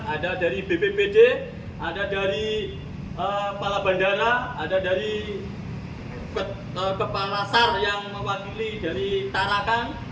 ada dari bppd ada dari kepala bandara ada dari kepala sar yang mewakili dari tarakan